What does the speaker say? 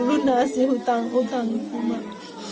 lu nasih hutang hutang mak